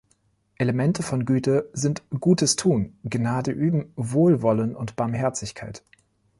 Elemente von Güte sind "Gutes tun", Gnade üben, Wohlwollen und Barmherzigkeit.